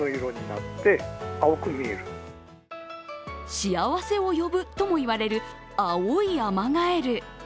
幸せを呼ぶとも言われる青いアマガエル。